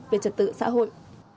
về trật tự xã hội